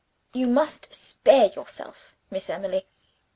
You must spare yourself, Miss Emily.